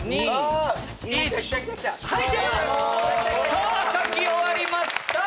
さあ描き終わりました。